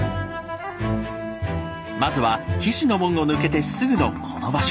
まずは菱の門を抜けてすぐのこの場所。